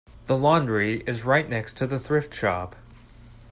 The laundry is right next to the thrift shop.